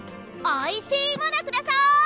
おいしいもの下さい！